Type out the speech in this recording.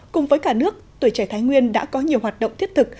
cùng với cả nước tuổi trẻ thái nguyên đã có nhiều hoạt động thiết thực